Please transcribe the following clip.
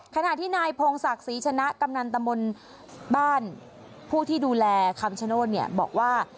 ขณะที่นายพงศักดิ์ศรีชนะกำนันตมนต์บ้านผู้ที่ดูแลคำชโนธเนี่ยบอกว่า